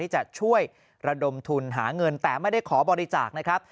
จะช่วยระดมทุนหาเงินแต่ไม่ได้ขอบริจาคนะครับ